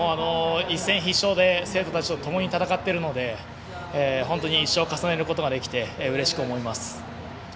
一戦必勝で生徒たちとともに戦ってるので本当に１勝を重ねることができてうれしく思います。